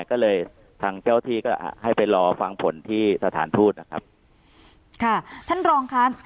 ก็เลยทางเจ้าที่ก็ให้ไปรอฟังผลที่สถานทูตนะครับค่ะท่านรองค่ะ